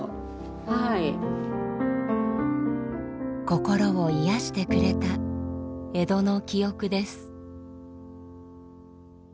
心を癒やしてくれた江戸の記憶です。